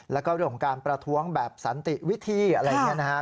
แล้วก็เรื่องของการประท้วงแบบสันติวิธีอะไรอย่างนี้นะฮะ